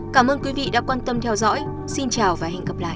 cảm ơn quý vị đã quan tâm theo dõi xin chào và hẹn gặp lại